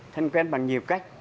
thân quen bằng nhiều cách